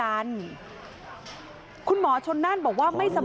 ลาออกจากหัวหน้าพรรคเพื่อไทยอย่างเดียวเนี่ย